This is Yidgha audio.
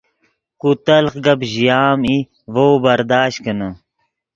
کو تلخ گپ ژیا ام ای ڤؤ برداشت کینے